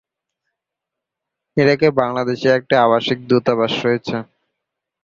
ইরাকে বাংলাদেশে একটি আবাসিক দূতাবাস রয়েছে।